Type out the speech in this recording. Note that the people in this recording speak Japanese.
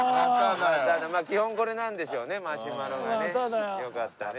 基本これなんでしょうねマシュマロがね。よかったね。